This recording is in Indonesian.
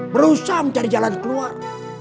berusaha mencari jalan keluar